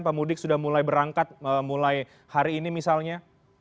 pak mudik sudah mulai berangkat mulai hari ini misalnya